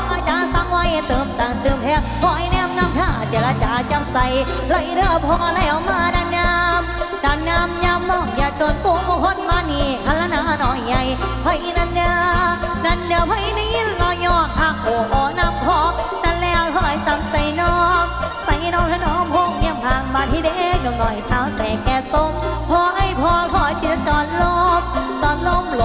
น้ำน้ำน้ำน้ำน้ำน้ำน้ำน้ำน้ำน้ำน้ำน้ำน้ำน้ำน้ำน้ำน้ำน้ำน้ำน้ำน้ำน้ำน้ำน้ำน้ำน้ำน้ำน้ำน้ำน้ำน้ำน้ำน้ำน้ำน้ำน้ำน้ำน้ำน้ำน้ำน้ำน้ำน้ำน้ำน้ำน้ำน้ำน้ำน้ำน้ำน้ำน้ำน้ำน้ำน้ำน้ำ